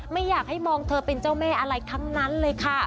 ไม่อยากให้มองเธอเป็นเจ้าแม่อะไรทั้งนั้นเลยค่ะ